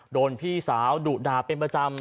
โดนพี่สาวดุด่าเป็นประจำ